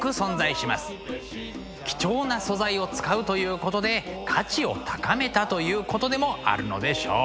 貴重な素材を使うということで価値を高めたということでもあるのでしょう。